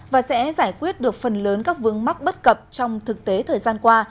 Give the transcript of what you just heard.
và sẽ giải quyết được phần lớn các vướng mắc bất cập trong thực tế thời gian qua